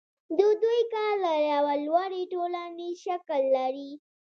د دوی کار له یوه لوري ټولنیز شکل لري